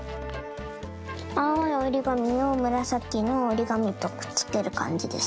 あおいおりがみをむらさきのおりがみとくっつけるかんじです。